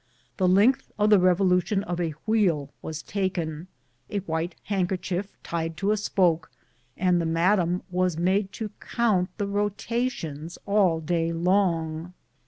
The length of the revolution of a wheel was taken, a white handkerchief tied to a spoke, and the madam was made to count the rotations all day long.